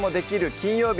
金曜日」